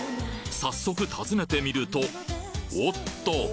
早速訪ねてみるとおっと！